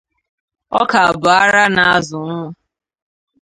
Ọka bụ ara na-azụ nwa